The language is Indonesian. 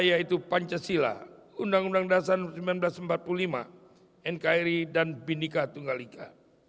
yaitu pancasila undang undang dasar seribu sembilan ratus empat puluh lima nkri dan binika tunggal ika